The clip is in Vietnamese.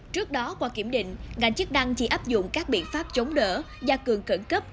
trước đó qua kiểm định ngành chức năng chỉ áp dụng các biện pháp chống đỡ gia cường cẩn cấp